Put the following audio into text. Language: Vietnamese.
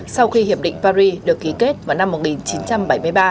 sau khi hiệp định paris được ký kết vào năm một nghìn chín trăm bảy mươi ba